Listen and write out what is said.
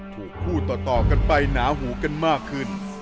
ถูกคู่ต่อกันไปหนาหูกันมากขึ้น